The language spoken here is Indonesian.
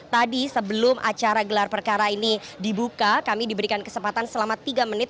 tadi sebelum acara gelar perkara ini dibuka kami diberikan kesempatan selama tiga menit